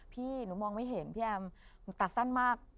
พี่หนูมองไม่เห็นพี่แอมตัดสั้นมาก